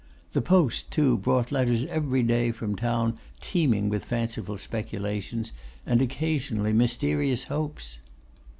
The post, too, brought letters every day from town teeming with fanciful speculations, and occasionally mysterious hopes.